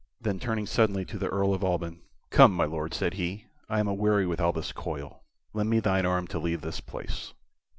Then turning suddenly to the Earl of Alban: "Come, my Lord," said he; "I am aweary with all this coil. Lend me thine arm to leave this place."